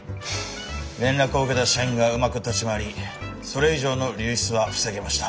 連絡を受けた社員がうまく立ち回りそれ以上の流出は防げました。